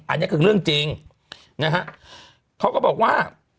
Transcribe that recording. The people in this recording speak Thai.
อันนี้คือเรื่องจริงนะฮะเขาก็บอกว่า